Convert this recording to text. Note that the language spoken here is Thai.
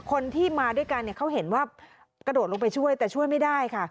คนที่มาด้วยกันเนี่ยเขาเห็นว่ากระโดดลงไปช่วยแต่ช่วยไม่ได้ค่ะ